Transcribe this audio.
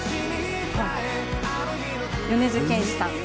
米津玄師さん。